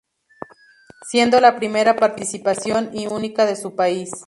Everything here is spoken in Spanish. Siendo la primera participación y única de su país.